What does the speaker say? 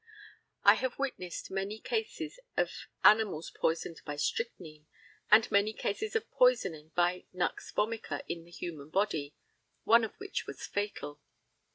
I have witnessed many cases of animals poisoned by strychnine, and many cases of poisoning by nux vomica in the human body, one of which was fatal.